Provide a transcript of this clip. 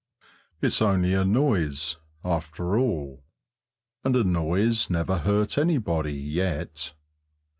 It's only a noise, after all, and a noise never hurt anybody yet.